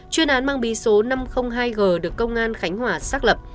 chuyên án mang bí số năm trăm linh hai g được công an khánh hòa xác lập